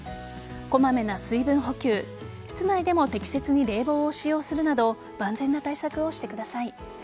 こまめな水分補給室内でも適切に冷房を使用するなど万全な対策をしてください。